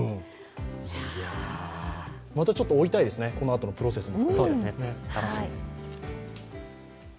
またちょっと追いたいですね、このあとのプロセスも。